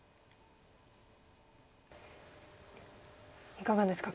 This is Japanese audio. いかがですか。